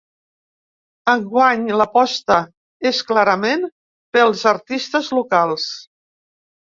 Enguany l’aposta és clarament pels artistes locals.